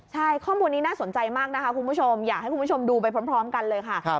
ใช่ข้อมูลนี้น่าสนใจมากนะคะคุณผู้ชมอยากให้คุณผู้ชมดูไปพร้อมกันเลยค่ะ